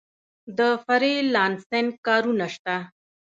د فری لانسینګ کارونه شته؟